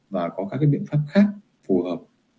và có các cái biện pháp khác phù hợp